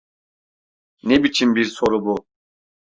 Ne biçim bir soru bu?